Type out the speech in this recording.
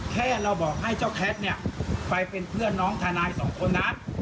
แค่เราบอกให้เจ้าแคทเนี่ยไปเป็นเพื่อนน้องทนายสองคนนะ